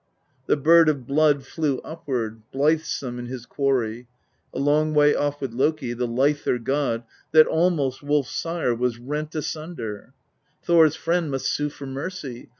The Bird of Blood flew upward (Blithesome in his quarry) A long way off with Loki, The lither God, that almost Wolf's Sire was rent asunder; Thor's friend must sue for mercy.